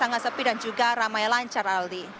sangat sepi dan juga ramai lancar aldi